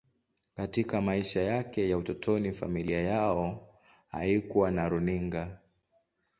Katika maisha yake ya utotoni, familia yao haikuwa na runinga.